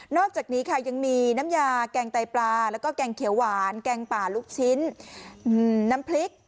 อกจากนี้ค่ะยังมีน้ำยาแกงไตปลาแล้วก็แกงเขียวหวานแกงป่าลูกชิ้นน้ำพริก